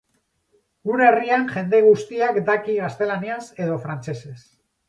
Gure herrian jende guztiak daki gaztelaniaz edo frantsesez.